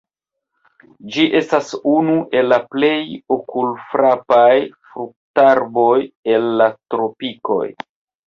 Ĝi estas unu el la plej okulfrapaj fruktarboj el la tropikoj.